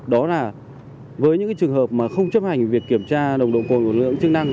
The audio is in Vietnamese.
đó là với những trường hợp mà không chấp hành việc kiểm tra nồng độ cồn của lực lượng chức năng